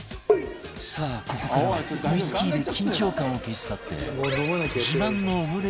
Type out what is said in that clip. さあここからはウイスキーで緊張感を消し去って